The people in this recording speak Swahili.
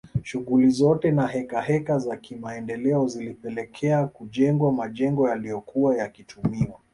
Shughuli zote na hekaheka za kimaendeleo zilipelekea kujengwa majengo yaliyokuwa yakitumiwa